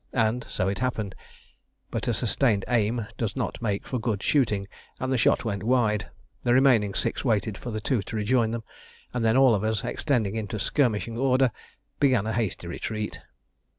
And so it happened; but a sustained aim does not make for good shooting, and the shot went wide. The remaining six waited for the two to rejoin them, and then all of us, extending into skirmishing order, began a hasty retreat.